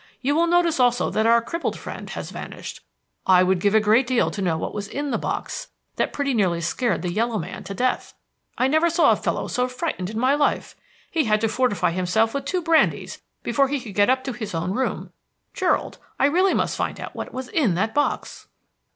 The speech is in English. You will notice also that our crippled friend has vanished. I would give a great deal to know what was in the box that pretty nearly scared the yellow man to death. I never saw a fellow so frightened in my life. He had to fortify himself with two brandies before he could get up to his own room. Gerald, I really must find out what was in that box!"